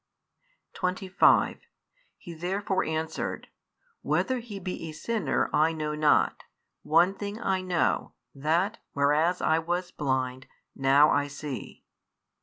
25 He therefore answered, Whether He be a sinner, I know not: one thing I know, that, whereas I was blind, now I see.